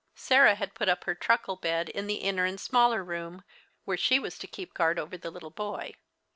Sarah had put up her truckle bed in the inner and smaller room, where she was to keep guard over the little boy.